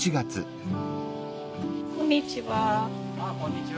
こんにちは！